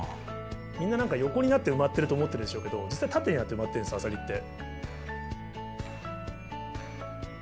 みんな何か横になって埋まってると思ってるでしょうけど実は縦になって埋まってるんですアサリって。